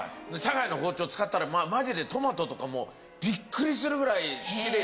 堺の包丁使ったらマジでトマトとかもビックリするぐらい切れて。